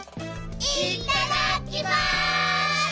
いっただっきます！